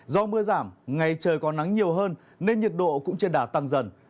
do mưa giảm ngày trời có nắng nhiều hơn nên nhiệt độ cũng chưa đạt tăng dần